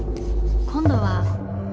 今度は。